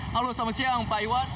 halo selamat siang pak iwan